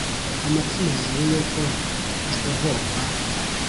Amatama yawe yo ko adahokwa?